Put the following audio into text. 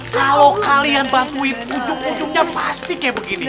kalau kalian bantuin ujung ujungnya pasti kayak begini